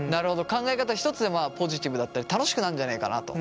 考え方一つでポジティブだったり楽しくなるんじゃないかなと。